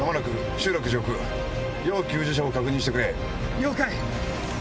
了解！